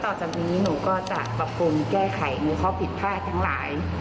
และต่อจากวันนี้หนูก็จะปรับควรแก้ไขฮความผิดพลาดทั้งหลาย